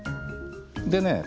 でね。